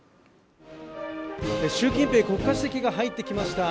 習近平国家主席が入ってきました。